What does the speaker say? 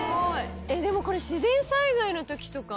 でもこれ自然災害の時とか。